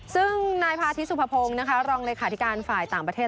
ซึ่งนายพาธิสุภพงศ์รองรายการฝ่ายต่างประเทศ